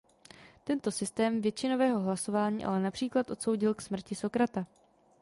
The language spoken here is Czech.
Tento systém většinového hlasování ale například odsoudil k smrti Sokrata.